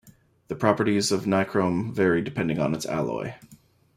The properties of nichrome vary depending on its alloy.